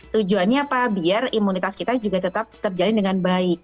tujuannya apa biar imunitas kita juga tetap terjalin dengan baik